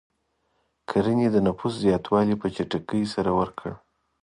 کرنې د نفوس زیاتوالی په چټکۍ سره ورکړ.